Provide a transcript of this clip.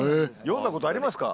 読んだ事ありますか？